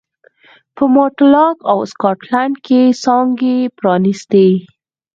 په ماټلاک او سکاټلنډ کې څانګې پرانېستې.